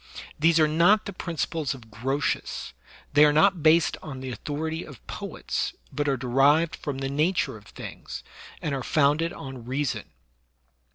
These are not the principles of Grotius;* they are not based on the authority of poets, but are derived from the nature of things, and are founded on reason.